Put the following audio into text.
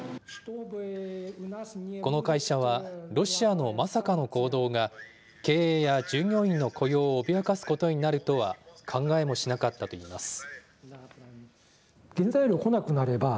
この会社は、ロシアのまさかの行動が経営や従業員の雇用を脅かすことになるとは考えもしなかったといいます。